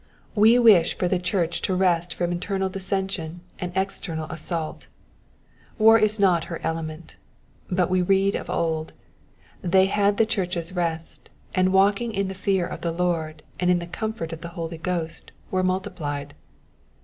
We wish for the church rest from internal dissension and external assault : war is not her element, but we read of old, Then had the churches rest ; and walking in the fear of the Lord, and in the comfort of the Holy Ghost, were multiplied."